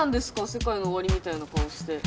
世界の終わりみたいな顔して。